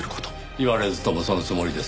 言われずともそのつもりですが。